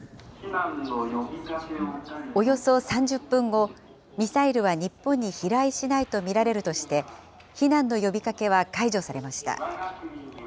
およそ３０分後、ミサイルは日本に飛来しないと見られるとして、避難の呼びかけは解除されました。